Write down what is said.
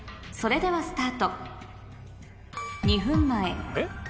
それではスタート２分前えっ？